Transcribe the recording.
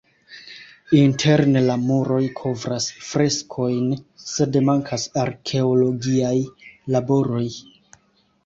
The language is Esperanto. Interne la muroj kovras freskojn, sed mankas arkeologiaj laboroj.